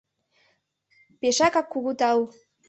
Пешакак кугу тау!